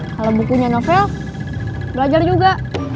kalau bukunya novel belajar juga